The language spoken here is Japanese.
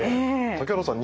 竹原さん